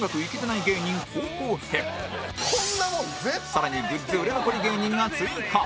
今週は更にグッズ売れ残り芸人が追加